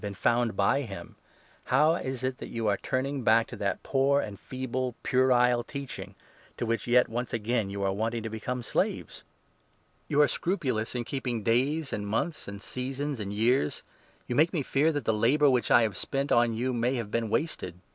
been found by him — how is it that you are turn ing back to that poor and feeble puerile teaching, to which yet once again you are wanting to become slaves ? You are 10 scrupulous in keeping Days and Months and Seasons and COl__X" BAMTA BARBARA, CALIFORNIA 302 GALATIANS, 4. Years ! You make me fear that the labour which I have spent n on you may have been wasted.